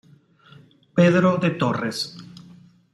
Pedro de Torres.